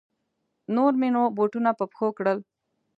نور مې نو بوټونه په پښو کړل.